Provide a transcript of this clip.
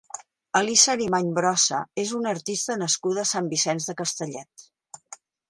Elisa Arimany Brossa és una artista nascuda a Sant Vicenç de Castellet.